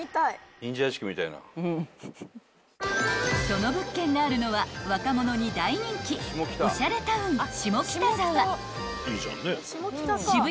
［その物件があるのは若者に大人気おしゃれタウン下北沢］